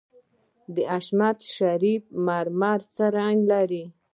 د چشت شریف مرمر څه رنګ لري؟